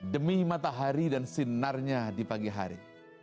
demi matahari dan sinarnya di pagi hari